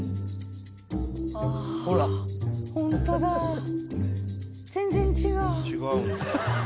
ホントだ全然違う。